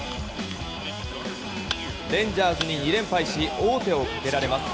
レンジャーズに２連敗し王手をかけられます。